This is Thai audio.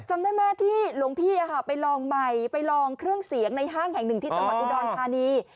จำได้ไหมที่หลวงพี่ไปลองใหม่ไปลองเครื่องเสียงในห้างแห่งหนึ่งที่จังหวัดอุดรธานี